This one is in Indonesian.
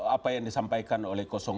apa yang disampaikan oleh dua